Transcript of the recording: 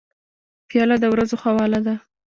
پیاله د ورځو خواله ده.